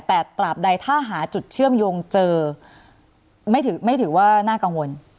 แต่ตราบใดถ้าหาจุดเชื่อมโยงเจอไม่ถือว่าน่ากังวล